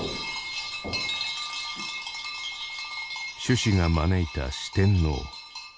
咒師が招いた四天王。